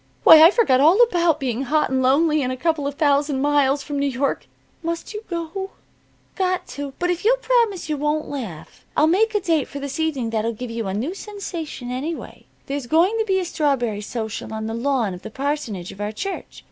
Why, I forgot all about being hot and lonely and a couple of thousand miles from New York. Must you go?" "Got to. But if you'll promise you won't laugh, I'll make a date for this evening that'll give you a new sensation anyway. There's going to be a strawberry social on the lawn of the parsonage of our church.